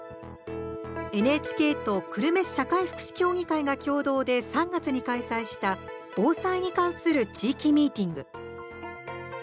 ＮＨＫと久留米市社会福祉協議会が共同で３月に開催した防災に関する地域ミーティング。